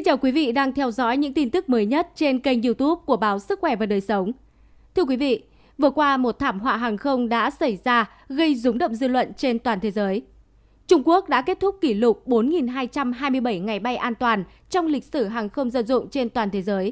các bạn hãy đăng ký kênh để ủng hộ kênh của chúng mình nhé